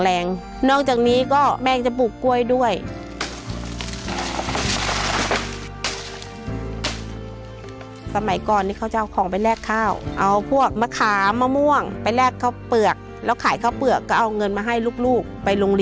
แม่เค้าอืดมากเค้าเป็นคนที่แข็งแรง